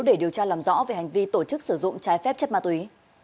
để điều tra làm rõ về hành vi tổ chức sử dụng trái phép chất ma túy